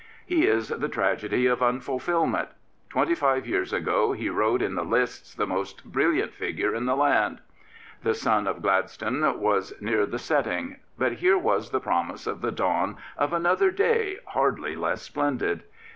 He is the tragedy of unfulfilment. Twenty five years ago he rode in the lists the most brilliant figure in the land. The sun of Gladstone was near the setting; but here was the promise of the dawn of another day hardly less splendid.